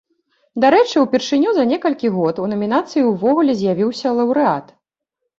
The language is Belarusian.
Дарэчы, упершыню за некалькі год у намінацыі ўвогуле з'явіўся лаўрэат.